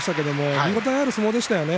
見応えのある相撲でした。